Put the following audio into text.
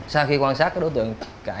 sau khi quan sát đối tượng